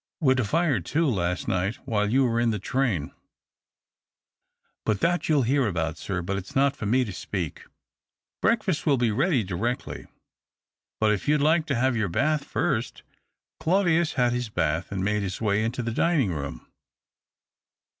We'd a fire, too, last night, while you were in the train. But that you'll hear about, sir, and it's not for me to speak. Breakfast will be ready directly ; but if you'd like to have your bath first " Claudius had his bath, and made his way into the dining room.